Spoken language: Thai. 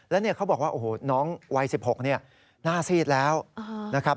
แล้วเนี่ยเขาบอกว่าโอ้โหน้องวัย๑๖หน้าซีดแล้วนะครับ